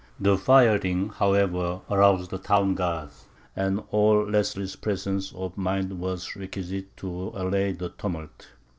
The firing, however, aroused the town guard, and all Leslie's presence of mind was requisite to allay the tumult.